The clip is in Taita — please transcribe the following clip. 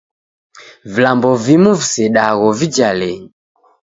Vilambo vimu visedegho vijalenyi.